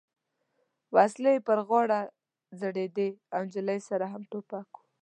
وسلې یې پر غاړه ځړېدې او نجلۍ سره هم ټوپک و.